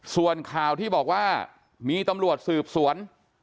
ส่วนข่าวที่บอกว่ามีตำรวจสืบสวน